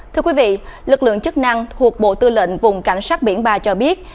thưa quý vị lực lượng chức năng thuộc bộ tư lệnh vùng cảnh sát biển ba cho biết